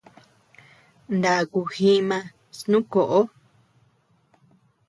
Naakuu jiima snu koʼo.